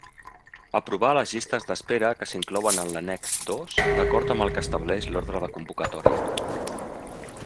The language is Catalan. Aprovar les llistes d'espera que s'inclouen en l'Annex dos d'acord amb el que estableix l'ordre de convocatòria.